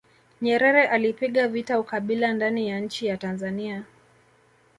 nyerere alipiga vita ukabila ndani ya nchi ya tanzania